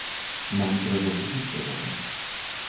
Нам трэба вучыцца гэтаму.